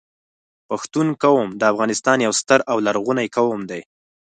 پښتون قوم د افغانستان یو ستر او لرغونی قوم دی